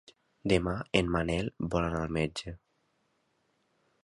Demà en Manel vol anar al metge.